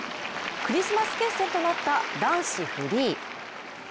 クリスマス決戦となった男子フリー。